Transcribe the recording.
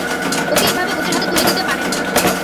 ওকে এভাবে ওদের হাতে তুলে দিতে পারেন না।